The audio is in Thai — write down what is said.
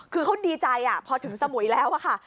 คือเขาดีใจพอถึงสมุยแล้วค่ะ